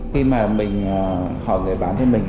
khi mà mình hỏi người bán cho mình ấy